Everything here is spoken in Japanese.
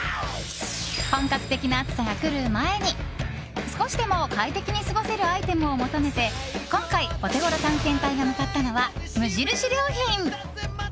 本格的な暑さが来る前に少しでも快適に過ごせるアイテムを求めて今回、オテゴロ探検隊が向かったのは無印良品。